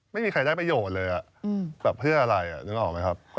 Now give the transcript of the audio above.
มันก็เป็นแนวพิจารณาย